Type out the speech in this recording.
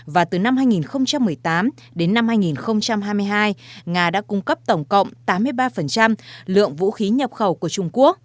và từ năm hai nghìn một mươi tám đến năm hai nghìn hai mươi hai nga đã cung cấp tổng cộng tám mươi ba lượng vũ khí nhập khẩu của trung quốc